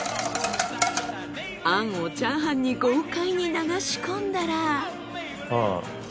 餡をチャーハンに豪快に流し込んだら。